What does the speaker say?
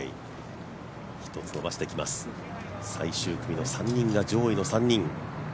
１つ伸ばしてきます、最終組の３人が上位の３人。